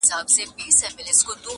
ها د خوشحال او د امان د ارمانونو کیسې,